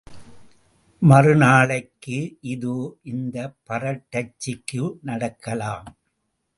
மறுநாளைக்கு இதோ இந்த பறட்டைச்சிக்கு நடக்கலாம்.